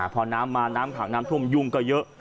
พอน้ำมาน้ำขังน้ำท่วมยุ่งก็เยอะ